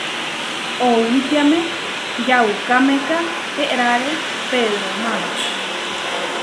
Owítiame yaukámeka eráre Pedróma.